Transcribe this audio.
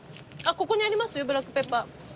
ここにありますよブラックペッパー。